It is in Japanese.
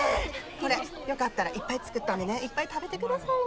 これよかったらいっぱい作ったんでねいっぱい食べてくださいな。